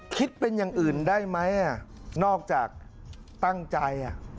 คิดเป็นอย่างอื่นได้ไหมนอกจากตั้งใจ